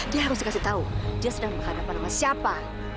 dia harus dikasih tahu dia sedang menghadapkan sama siapa